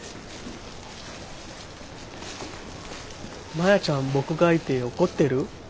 マヤちゃん僕がいて怒ってる？